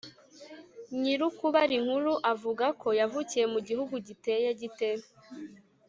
Nyir’ukubara inkuru avuga ko yavukiye mu gihugu giteye gite?